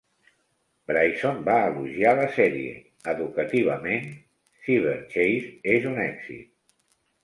Bryson va elogiar la sèrie: "Educativament, "Cyberchase" és un èxit".